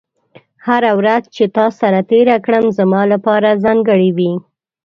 هره ورځ چې تا سره تېره کړم، زما لپاره ځانګړې وي.